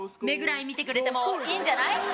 目ぐらい見てくれてもいいんじゃない？